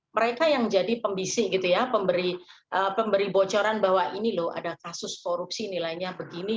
mereka yang jadi pembisik gitu ya pemberi bocoran bahwa ini loh ada kasus korupsi nilainya begini